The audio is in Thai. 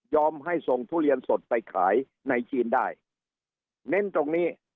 ให้ส่งทุเรียนสดไปขายในจีนได้เน้นตรงนี้